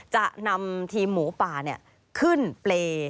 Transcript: จะนำทีมหมูป่าขึ้นเปรย์